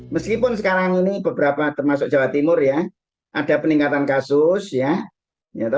meskipun sekarang ini beberapa termasuk jawa timur ya ada peningkatan kasus ya